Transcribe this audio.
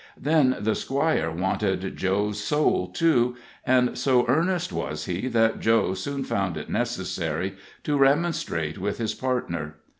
Then the Squire wanted Joe's soul, too, and so earnest was he that Joe soon found it necessary to remonstrate with his partner.